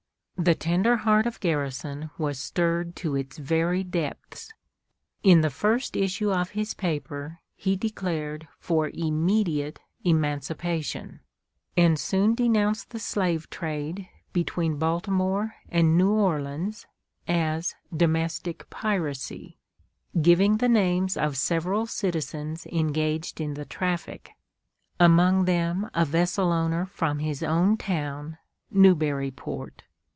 The tender heart of Garrison was stirred to its very depths. In the first issue of his paper he declared for Immediate Emancipation, and soon denounced the slave trade between Baltimore and New Orleans as "domestic piracy," giving the names of several citizens engaged in the traffic, among them a vessel owner from his own town, Newburyport.